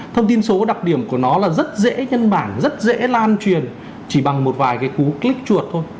thông tin số đặc điểm của nó là rất dễ nhân bản rất dễ lan truyền chỉ bằng một vài cái cú click chuột thôi